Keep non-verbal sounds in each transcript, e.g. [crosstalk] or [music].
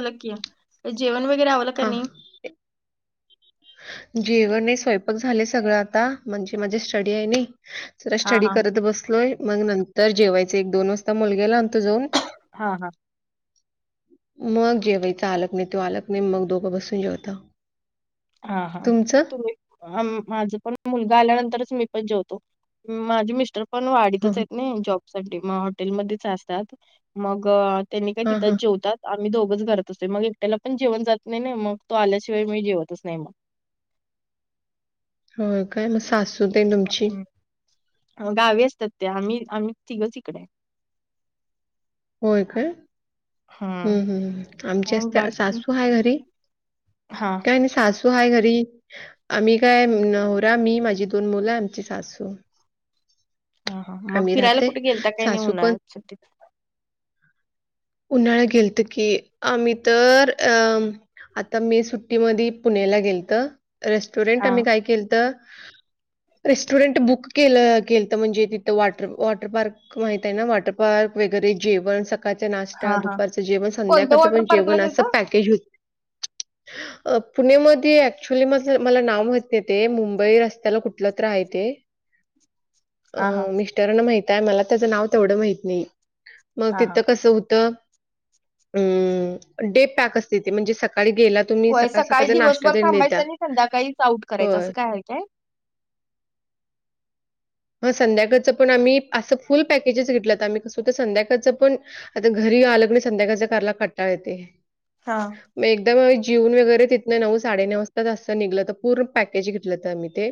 बोला की जेवण वगैरे आवरल हा कणी. जेवण ये स्वयंपाक झाले सगळं, आता, म्हणजे माझी स्टडी आहे नी. जरा हा स्टडी हा करत बसलोय. मग नंतर जेवायचं एक दोन वाजता मुलग्याला आणतो जाऊन. हा हा. मग जेवायच आलकनी तो आलकणी मग दोघं बसून जेवतो. हा हा तुम्ही. माझ पण मुलगा आल्यानंतरच मी पण जेवतो. माझे मिस्टर पण हो वाडीतच आहेत नी, जॉब साठी मग हॉटेलमध्येच असतात. मग त्यांनी काय हा हा तिथंच जेवतात. आम्ही दोघंच घरात असतोय. मग एकट्याला पण जेवण जात नाही. मग तो आल्याशिवाय मी जेवत. तस नाही मग. हो काय म सासूते तुमची गावी असतात ते आम्ही आम्ही तिघच इकड होय काय हम्म हम् आमच्या मग त्या बाकी सासू आहे घरी हा काय आणि सासू. तो हाय घरी, आम्ही काय नवरा मी माझी दोन मुलं आमची सासू. हा हा. मग आम्ही फिरायला राहते कुठे गेलता कणी, सासू पण उन्हाळ्याच्या सुट्टीत. उन्हाळा गेलत की आम्ही तर अ आता मी सुट्टीमध्येध पुण्याला गेलत रेस्टॉरंट हा आम्ही काय केलत रेस्टॉरंट बुक केलं केलत. म्हणजे तिथं वॉटर वॉटर पार्क माहित आहे ना वॉटर पार्क वगैरे जेवण सकाळच्या नाश हा हा दुपारचं जेवण कोणत्या संध्याकाळचं वॉटर पण पार्कला जेवण असं गेलता पॅकेज होत. [unintelligible] पुणेमध्ये ऍक्च्युली मला नाव माहित नाही ते मुंबई रस्त्याला कुठलं तर आहे ते हा हा अं मिस्टरन माहित आहे मला त्याचं नाव तेवढं माहित नाही मग हा हा. तिथं कस हो डे पॅक असतं ते म्हणजे कसं सकाळी गेलं होय सकाळी दिवसभर थांबायचं आणि संध्याकाळीच आऊट करायचं होय. असं काय तय हा संध्याकाळचं पण आम्ही असं फुल पॅकेजेस घेतलं हो आम्ही कसो तर संध्याकाळचं पण आता घरी आलग नाही संध्याकाळच्या कारला कट्टाळ येते. हा मग एकदम जीवन वगैरे तिथन नऊ साडेनऊ वाजता असं निघलंत पूर्ण पॅकेज घेतलं. तर मी ते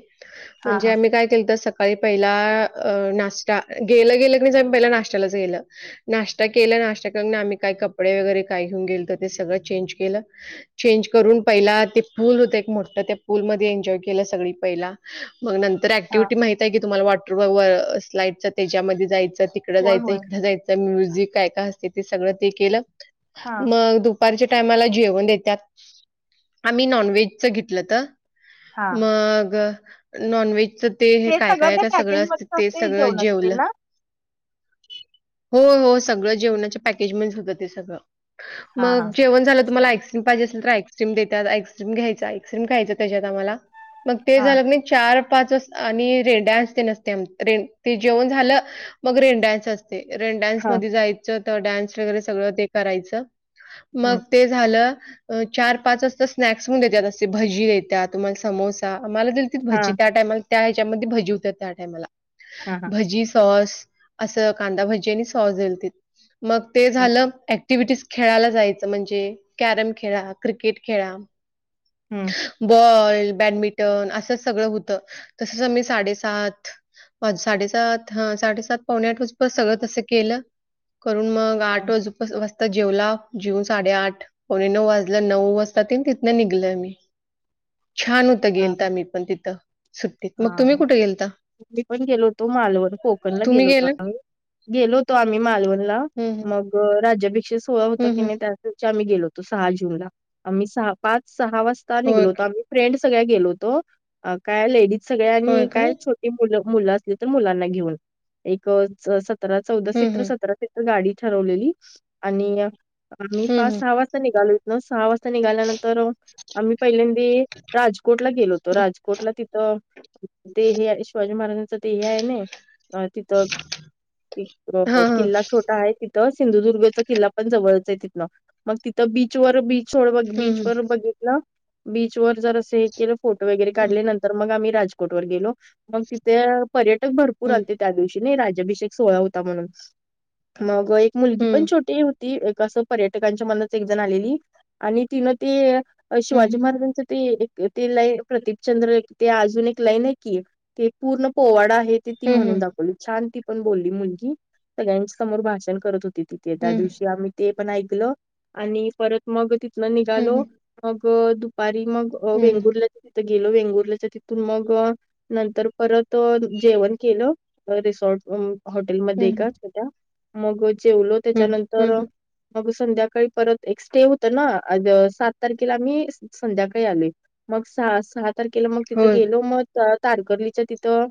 हा म्हणजे हा. आम्ही काय केलं. तर स का पहिला अ नाश्ता गेलं गेलं. की पहिला नाश्त्यालाच गेलं नाश्ता केला नाश्ता करून आम्ही काय कपडे वगैरे काय घेऊन गेल तर ते सगळं चेंज केलं चेंज करून पहिला ते पूल होत एक मोठा त्या पूलमध्येध्ये एन्जॉय केलं सगळी पहिला मग नंतर तर हा ऍक्टिव्हिटी माहित आहे की तुम्हाला वॉटरर स्लाईडचं त्याच्यामध्ये जायचं तिकडें होय जायचं होय. इकडे जायचं म्यझिक काय काय असते. ते सगळं ते केलं हा मग दुपारच्या टायमाला जेवण देतात. आम्ही नॉनव्हेजच घेतलं तर हा. मग नॉनव्हेज ते काय सगळं काय त्या का पॅकेज सगळं अस मध्येच ते असते सगळ जेवण असतील जेवलं ना? हो हो सगळं जेवणाच्या पॅकेज म्हण होतं. ते सगळं हा हा. मग जेवण झालं तुम्हाला आईक्रीम घ्यायचा आइस्क्रीम खायच त्याच्यात आम्हाला मग ते हा. झालं नाही चार पाच आणि रेड डस ने ते जेवण झालं मग रेन डन्स असते रेन डन्स हा मध्ये डान्स वगरे सगळ ते करायच हम्म मग ते झालं. चार पाच असजता स्नॅक्सण देतात. अस भजी देतात तुम्हाला समोसा आम्हाला हा भजी त्या टायमाला त्या ह्याच्यामध्ये भजी होत. त्या टायमाला हा हा भजी सॉस असं कांदा भजी आणि सॉस दिल त मग ते हम्म. झालं. ऍक्टिव्हिटी खेळायला जायचं म्हणजे कॅरम खेळा क्रिकेट खेळा. हम्म बॉल बॅडमिंटन असंच सगळं होतं तसच आम्ही साडे- सात साडेसात साडेसात पावणे आठ वाज सगळं तसं केलं. करून मग हा आट- वाजता जेवला जेऊन साडेआठ पणे नऊ वाजलं नऊ वाजता त तिथनं निघलं मी छान होतं हा गेलता मी पण तिथं सुट्टीत मग तुम्ही कुठे गेलता ी पण गेलो होतो मालवण कोकण ला तुम्ही गेलो होतो गेला? आम्ही गेलो होतो आम्ही मालवणला हं, हं. मग राज्याभिषेक सोहळा होता हं, की हं. नाही त्यात आम्ही गेलोतो सहा जूनला ला आम्ही सहा पाच सहा वाजता होय, निघलो होतो. आम्ही फ्रेंड सगळ्या गेलोतो. काय लेडीज सगळ्या होय आणि का? काय ट मुलं असली तर मुलांना घेऊन एक सतरा चौदा सीट हं, तर हं. सतरा गाडी ठरवली आणि म हं, पाच हं. सहा वाजता निघाल सहा वाज निघाल्यानंतर आम्ही पहिल्यांदा राजकोटला गेलो होतो. राजकोटला तिथं ते हे आहे शिवाजी महाराजांच देह आहे. ना अ तिथं हां, हां. किल्ला छोटा आहे ति- सिंधुदुर्गचा किला पण जवळच आहे तिथनं मग तिथं बीचवर बी- हं, बीच हं. वर बघितलं बीच वर जर असं हे केलं फोटो वगैरे हं, काढले नंतर मग आम्ही राजोट वर गेलो मग तिथे पर्यटक भरपूर हं. आलते त्या दिवशी राजभिषेक सोहळा हो- म्हणून मग एक मुलगी पण हं. छोटी होती. तसं पर्यटकांच्या मनात एक जण आलेली आणि तिनं ते शिवाजी हं. महाराजांच- ते एक ते लाईन प्रतीपचंद्र ते अजून एक लाईन आहे की ते पूर्ण पोवाडा आहे. ती हं, म्हणून हं. दाखवली छान ती पण बोलली मुलगी सगळ्यांच्या समोर भाषण करत होती तिथे त्या हं. दिवशी आम्ही ते पण ऐकल आणि परत मग तिथलं हं, निघालो हं. मग दुपारी मग हं. वेंगुर्ल्याच्या तिथं गेलो वेंगुर्ल्याच्या तिथं त मग नंतर परत जेवण केलं रिसॉर्ट हॉटेलमध्येध्ये हं, हं. का छोट्या मग जेवलो हं. हं, त्याच्यानंतर हं. मग संध्याकाळी परत एक स्टे होत ना सात तारखेला मी संध्याकाळी आले मग सहा सहा तारखेला मग तिथं होय. गेलो मग तारकर्लीच्या तिथं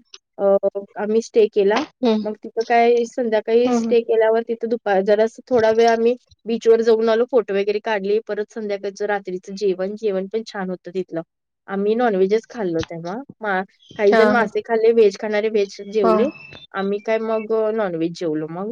अ आम्ही स्टे केला हं. मग तिथं काय संध्याकाळी हं, हं. स्टे केल्यावर तिथं दुपार जरा थोडा वेळ आम्ही बीचवर जाऊन आलो फोटो वगैरे काढले परत संध्याकाळचं रात्रीचं जेवण जेवण पण छान होतं तिथलं आम्ही नान व्हेज खल्लं काही जण हां, हां. मासे खाले व्हेज खाणारे व्हेज हां. जेवले आम्ही काय मग नॉनव्हेज जेवलो मग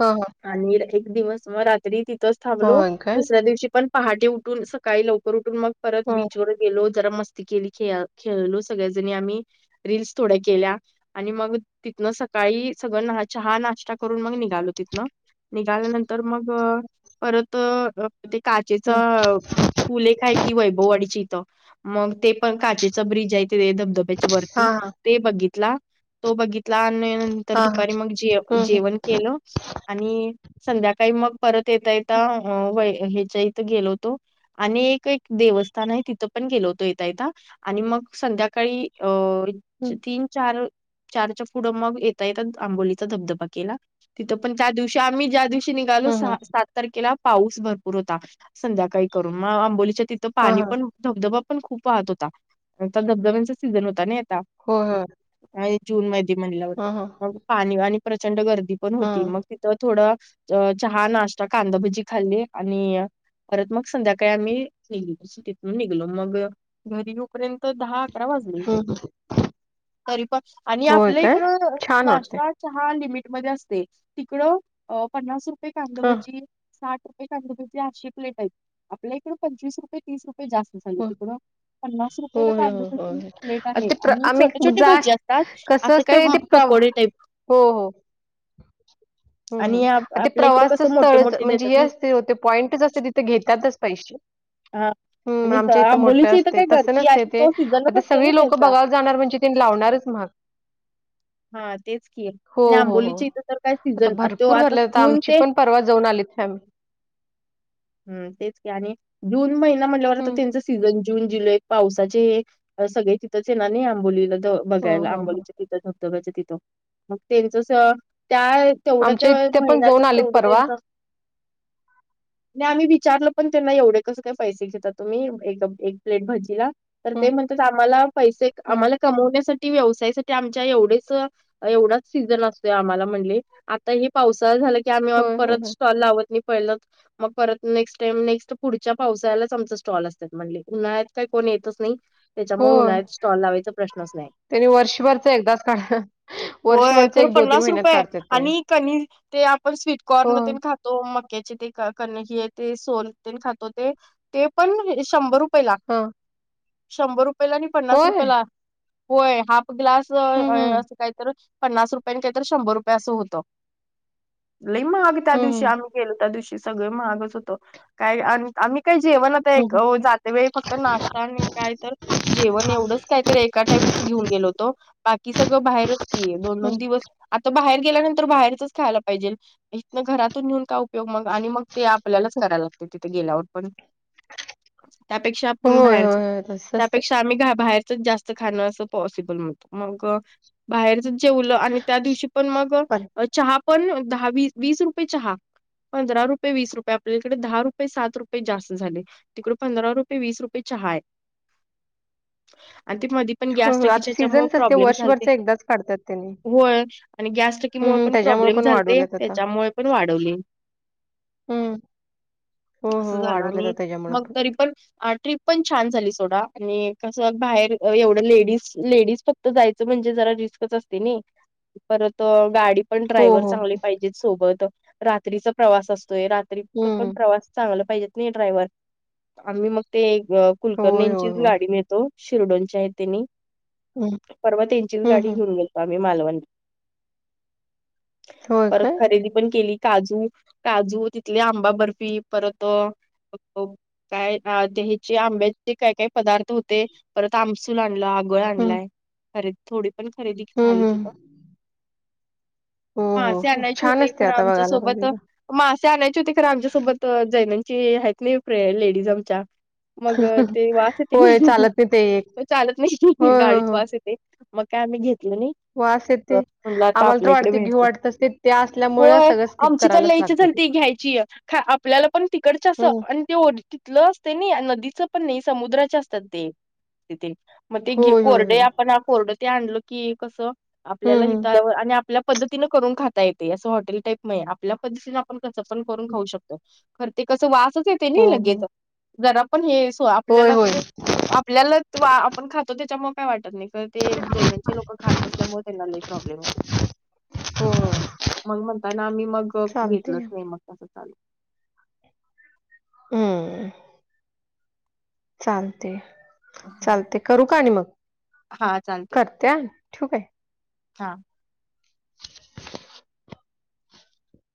हा हा आणि एक दिवस मग रात्री तिथंच थांबलो होय काय? दुसऱ्या दिवशी पण पहाटे उठून सकाळी लवकर उठून मग परत हं. बीचवर गेलो जरा मस्ती केली खेळा खेळल सगळ्याजणी आम्ही रीलस थोड्या केल्या आणि मग तिथनं सकाळी सगळं चहा नाश्ता करून मग निघालो तिथनं निघाल्यानंतर मग परत ते काचेच हं. फुले काय कि वैभववाडीची इथं मग ते पण काचे बिज धबधब्या वरती हां, हां. ते बघितला तो बघित लान नंतर हां, हां. दुपारी मग जेव हं, हं. जेवण केलं आणि संध्याकाळी मग परत येता येता व ह्याच्या इथं गेलो होतो आणि एक एक देवस्थान आहे तिथं पण गेलो होतो येतयथ आणि मग संध्याकाळी अ हं. तीन चार चारच्या पुढं मग येता येत आंबोलीचा धबधबा केला तिथं पण त्या दिवशी आम्ही ज्या दिवशी ाल हं, हं. सात तारखेला पाऊस भरपूर होता संध्याकाळी कर मग आंबोलीच्या त तर हां, पाणी हां. पण धबधबा पण खूप वाहत होता धबधब्यांचा सीझन होता ना आता हो हो आणि जून मैध्ये म्हणल्यावर मग पाणी आणि प्रचंड गर्दी पण होती मग हां. तिथं थोडं चहा नाश्ता कांदाभजी खाल्ली आणि परत मग संध्याकाळी आम्ही निघलो सिटीतून निघलो मग घरी येऊपर्यंत दहा अकरा वाजली हं, हं. तरी पण आणि होय आपलं काय? इकड छान नाश वाटतंय. चहा लिमिट म असते तिकड पन्नास रुपये हां. कांदभजी साठ ांशे प्लेट आहेत आपल्याकड पंचवीस रुपय तीस रुपये जास् होय. तिकड प्नासय होय, होय, होय. प्लेट अ, आहे ते प्र आणि आम्ही छोटे छोटी जा भजी असतात कसं असं काय असते ते प्र पकोडे टाईप हो हो आणि आप- हम् ते आपल्या इकडे प्रवासचं कसं मोठे स्थळच मोठे म्हणजे देतात हे नाही असते होते पॉईंटच असते तिथे घेतातच पैसे हा हम् आणि आमच्या इथं मोठे आंबोलीची इथं असते काय तसं गर्दी नसते आणि ते तो सीझनच आता असतो ना सगळी लोक त्यांचा बघायला जाणार म्हणजे त लावणारच महाग हा तेच क हो, आणि हो, हो. आंबोलीच्या इथं तर काय आता सीझन तो भरपूर आता भरले जून आमची ते पण परवा जाऊन आलीथे आम हम तेच आणि जून महिना म्हटल्यावर आ तर हं. त्यांच सीझन जून जुलै पावसाचे हे सगळे तिथंच आहे ना नाही आंबोलीला हो, बघायला हो, हो. आंबोलीच तिथं धबधब्याचं तिथं मग ते जस त्या तेवढं ते आमच्या इथे पण जाऊन महिन्यातच आलीत तेवढं परवा. त्यांचं नाही आम्ही विचारलं पण त्यांना एवढे कसं काही पैसे घेतात तुम्ही एक एक प्लेट भजीला तर हं, ते म्हणतात आम्हाला पैसे हं. आम्हाला कमवण्यासाठी व्यवसायासाठी आमच्या एवढेच एवढाच सीझन असतोय आम्हाला म्हण आता हे पावसाळ झाला क आम्ही होय, होय, परत होय. स्टॉल लावत नाही पहिलं मग परत नेक्स्ट टाईम नेक्स्ट पुढच्या पावसाळ्याचमचा स्टॉल असतात म्हणले उन्हाळ्यात काय कोण येतच नाही त्याच्यामुळे होय. उन्हाळ्यात स्टॉल लावायचा प्रश्नच नाही त्यांनी वर्षभरचं एकदाच काढ होय वर्षभरचं खरं एक पन्नास महिन्यात रुपये काढतात त्यांनी. आणि कनी ते आपण स्वीटकॉर्न हो. मध्ये खातो मक्याचे ते हि ते सोल खातो ते ते पण शंभर रुपये ला हा शंभर रुपयला आणि पन्नास रुपयेला होय हाफ ग्लास हं, हं. असं काहीत पन्नास रुपया काहीत शंभर रुपये असं होत लई मग आ् त्या हं, दिवशी हं. आम्ही गेलो त्या दिवशी सगळ महागच होतो काय आम्ही काही जेवण हं, एक हं. जाते वळी फक्त नाश्ता आणि काय तर जेवण एवढंच कायत एका टाइमच घेऊन गेलो होतो बाकी सगळं बाहेरच क दोन दोन हं. दिवस आता बाहेर गेल्यानंतर बाहेरच खायला पाहिजे घरातून घेऊन काय उपयोग मग आणि मग ते आपल्यालाच कराय लागते तिथे गेल्यावर पण त्यापेक्षा आपण होय, बाहेरच होय, होय. तसंच ते. त्यापेक्षा आम्ही बाहेरच जास्त खण अस पॉसिबलत मग बाहेरच जेवलं आणि त्या दिवशी पण मग पण चहा पण दहा वीस रुपये चहा पंधरा रुपये वीस रुपये आपल्याकडे दहा रुपये सात रुपये जास्त झाले तिकड पंधरा रुपये वीस रुपये चहा आहे आणि ती मध ् हो, हो. आता सीझन्स असते वर्षभरच एकदाच काढतात त्यांनी. हं, मुळे हं. पण त्याच्यामुळे प्रॉब्लेम पण झालते वाढवल्यात आता. त्याच्यामुळे पण वाढवले हं. हो, अस हो. झालं वाढवल्यात आणि आता त्याच्यामुळे मग तरी पण ट्र्रीप पण छान झाली सोडा आणि कसं बाहेर एवढं लेडीज लेडीज फक् जायच म्हणजे जरा रिस्कच असते ना परत गाडी पण हो, ड्रायव्हर हो. चांगले पाहिजेत सोबत रात्रीचा प्रवास असतोय तरी पण हं. प्रवास चांगला पाहिजेत नाही ड्रायव्हर आम्ही मग ते अ होय, कुलकर्णींची होय, होय. गाडी मिळतो शिर्डोनच्या आहे त्यांनी हं. परवा त्यांचीच हं, गाडी हं. घेऊन गेतो आम्ही मालवण होय परत काय? खरेदी पण केली काजू काजू तिथली आंबा बर्फी परत काय देहीची आंब्याचे काय काही पदार्थ होते परत आमसूल आणला उगळ हं. आणलाय खरे थोडी पण खरेदी हं, झाली हं. तिथं हो हो मासे हो छान असते आता बघायला मदा मग असे आणायचे होते खरं आमच्यासोबत जैनांची आहेत ना लेडीज आमच्या मग ते वास येते होय, ना चालत नाही ते एक. मग चालत नाही होय, होय, गाडीत होय. वास येत ते मग काय आम्ही घेतल नाहीं. वास येते आम्हाला तर वाटते घेऊ भेटते वाटत अस ते त्या असल्यामुळे सगळं स्किप कर जर ल्यायची तर ती घ्यायची आपल्याला पण तिकडच हं. असं ते ओ तिथलं असते नाही नदीचं पण नाही समुद्राच्या असतात ते तिथे मग ते घे होय, होय, कोरडे होय. आपण अ कोरडं ते आणलं की कसं आपल्याला हं, हं. हित आवर आणि आप आपल्या पद्धतीन करून खाता येते असं हॉटेल टाईप नाही, आपल्या पद्धतीनें आपण कसं पण करून खाऊ शकतो. खर ते कस वासच येत हो, नी हो. लगेच जरा पण हे स होय, आपल्याला तर होय. ते आप पल्याला वा आपण खातो त्याच्यामुळ काय वाटत नाही तर ते जैनाचे लोक खात त्यांच्यामूळ त्यांना लै प्रॉब्लेम हो हो, हो. मग म्हणताय ना आम्ही मग अ चालते. घेतलंच नाही मग तसं चालू हम्म. चालतेय हा. चालते करू का आणि मग हा चालते करते हां ठीवू काय? हा.